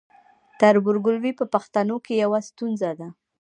تربورګلوي په پښتنو کې یوه ستونزه ده.